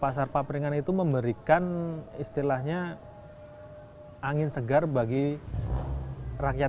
pasar papringan itu memberikan istilahnya angin segar bagi warga